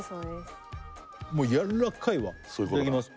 もうやらかいわいただきます